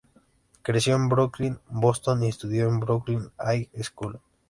Creció en Brookline, Boston, y estudió en el "Brookline High School".